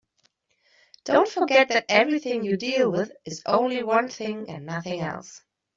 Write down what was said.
Don't forget that everything you deal with is only one thing and nothing else.